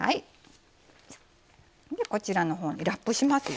でこちらのほうにラップしますよ。